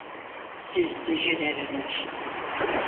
Siz dejenereler!